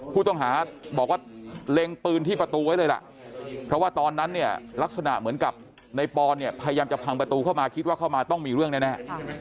ผู้ต้องหาบอกว่าเล็งปืนที่ประตูไว้เลยล่ะเพราะว่าตอนนั้นเนี่ยลักษณะเหมือนกับในปอนเนี่ยพยายามจะพังประตูเข้ามาคิดว่าเข้ามาต้องมีเรื่องแน่